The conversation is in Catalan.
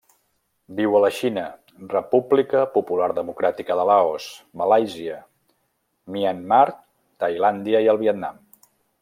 Viu a la Xina, República Popular Democràtica de Laos, Malàisia, Myanmar, Tailàndia i el Vietnam.